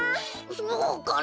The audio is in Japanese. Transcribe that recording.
そうかな。